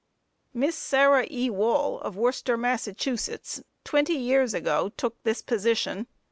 Miss Sarah E. Wall, of Worcester, Mass., twenty years ago, took this position.